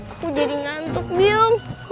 aku jadi ngantuk biong